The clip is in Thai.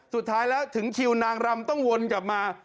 สุดท้ายแล้วถึงคิวนางรำต้องวนกลับมา